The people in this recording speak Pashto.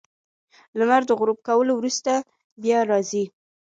• لمر د غروب کولو وروسته بیا راځي.